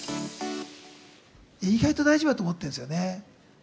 意外と大丈夫だと思ってるんですよね。